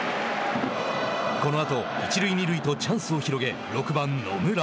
このあと、一塁二塁とチャンスを広げ６番野村。